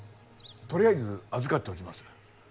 とりあえず預かっておきます。